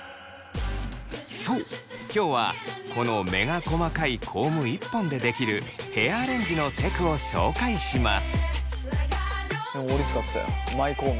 そう今日はこの目が細かいコーム１本でできるヘアアレンジのテクを紹介します。